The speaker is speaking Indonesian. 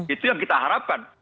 itu yang kita harapkan